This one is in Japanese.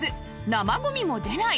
生ゴミも出ない！